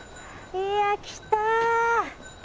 いや来た。